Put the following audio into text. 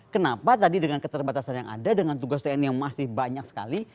kenapa tadi dengan keterbatasan yang ada dengan tugas tni yang masih banyak sekali